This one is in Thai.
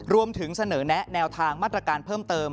รวมถึงเสนอแนะแนวทางมาตรการเพิ่มเติม